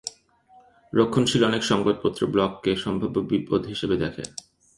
রক্ষণশীল অনেক সংবাদপত্র ব্লগকে সম্ভাব্য বিপদ হিসেবে দেখে।